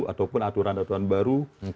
ataupun aturan aturan baru